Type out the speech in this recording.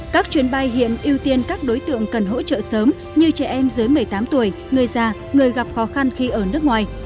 các chuyến bay hiện ưu tiên các đối tượng cần hỗ trợ sớm như trẻ em dưới một mươi tám tuổi người già người gặp khó khăn khi ở nước ngoài